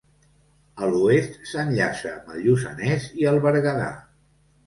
A l'oest, s'enllaça amb el Lluçanès i el Berguedà.